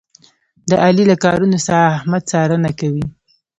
د علي له کارونو څخه احمد څارنه کوي.